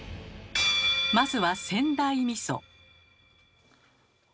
まずは仙台みそ。